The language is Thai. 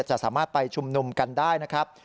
จะสามารถไปชุมนุมกันได้นะครับ